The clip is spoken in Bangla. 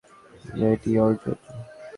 রেডি, অর্জুন?